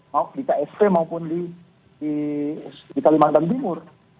mau di ksp maupun di kalimantan timur